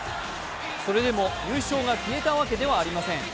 それでも、優勝が消えたわけではありません。